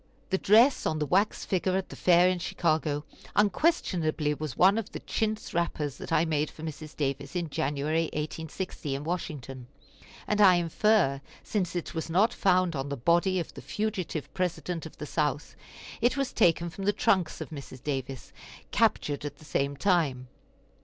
The dress on the wax figure at the fair in Chicago unquestionably was one of the chintz wrappers that I made for Mrs. Davis in January, 1860, in Washington; and I infer, since it was not found on the body of the fugitive President of the South, it was taken from the trunks of Mrs. Davis, captured at the same time.